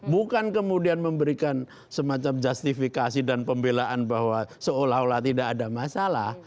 bukan kemudian memberikan semacam justifikasi dan pembelaan bahwa seolah olah tidak ada masalah